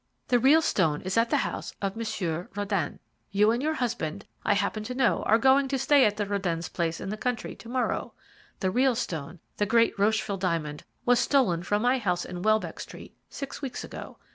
The real stone is at the house of Monsieur Röden. You and your husband, I happen to know, are going to stay at the Rödens' place in the country to morrow. The real stone, the great Rocheville diamond, was stolen from my house in Welbeck Street six weeks ago.